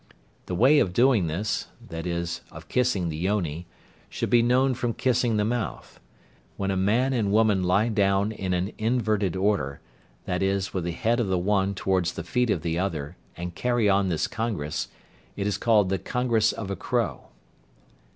The way of doing this (i.e., of kissing the yoni) should be known from kissing the mouth. When a man and woman lie down in an inverted order, i.e., with the head of the one towards the feet of the other and carry on this congress, it is called the "congress of a crow."